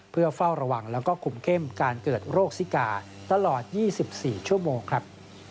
เพื่อเฝ้าระวังแล้วก็คุมเข้มการเกิดโรคซิกาตลอด๒๔ชั่วโมงครับ